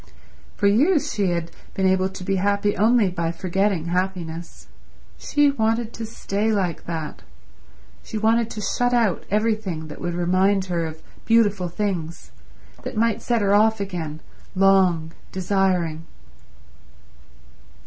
For years she had been able to be happy only by forgetting happiness. She wanted to stay like that. She wanted to shut out everything that would remind her of beautiful things, that might set her off again long, desiring